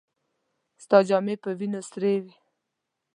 ستا جامې په وينو سرې وې.